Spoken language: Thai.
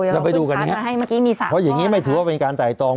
เราไปดูกันนะครับเพราะอย่างนี้ไม่ถือว่าเป็นการไต่ตอง